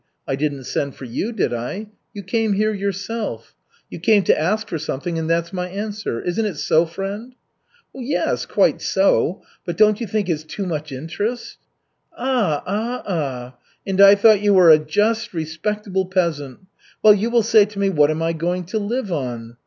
I didn't send for you, did I? You came here yourself. You came to ask for something and that's my answer. Isn't it so, friend?" "Yes, quite so, but don't you think it's too much interest?" "Ah, ah, ah! And I thought you were a just, respectable peasant. Well, you will say to me, what am I going to live on?